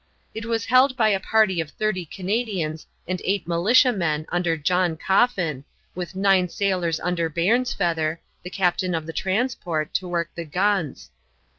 It was held by a party of 30 Canadians and 8 militiamen under John Coffin, with 9 sailors under Bairnsfeather, the captain of the transport, to work the guns.